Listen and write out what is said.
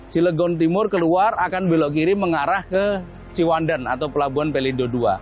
cilegon timur keluar akan belok kiri mengarah ke ciwandan atau pelabuhan pelindo ii